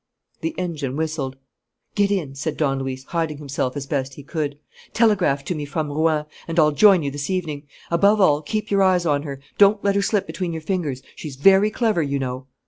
The engine whistled. "Get in," said Don Luis, hiding himself as best he could. "Telegraph to me from Rouen; and I'll join you this evening. Above all, keep your eyes on her. Don't let her slip between your fingers. She's very clever, you know."